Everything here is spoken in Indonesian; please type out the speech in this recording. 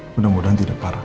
mudah mudahan tidak parah